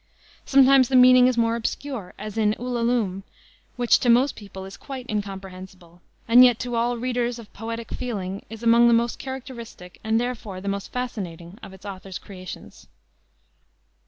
Sometimes the meaning is more obscure, as in Ulalume, which, to most people, is quite incomprehensible, and yet to all readers of poetic feeling is among the most characteristic, and, therefore, the most fascinating, of its author's creations.